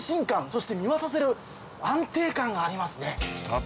そして見渡せる安定感がありますね。